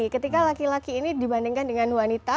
ketika laki laki ini dibandingkan dengan wanita